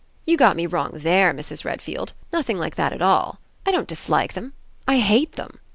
"You got me wrong there, Mrs. Redfield. Nothing like that at all. I don't dislike them, I hate them.